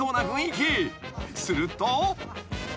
［すると］